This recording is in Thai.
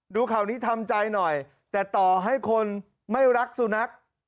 ดูข่าวนี้ทำใจหน่อยแต่ต่อให้คนไม่รักสุนัข